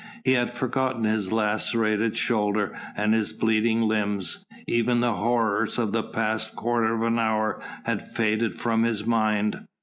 He had forgotten his lacerated shoulder and his bleeding limbs; even the horrors of the past quarter of an hour had faded from his mind.